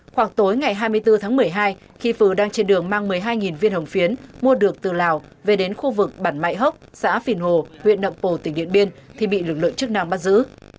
khoảng tối ngày hai mươi bốn tháng một mươi hai khi phừ đang trên đường mang một mươi hai viên hồng phiến mua được từ lào về đến khu vực bản mãi hốc xã phìn hồ huyện nậm pồ tỉnh điện biên thì bị lực lượng chức năng bắt giữ